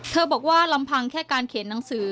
บอกว่าลำพังแค่การเขียนหนังสือ